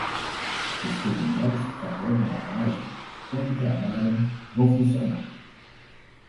Os cogumelos que carregam a vagem, quando trabalham, vão funcionar.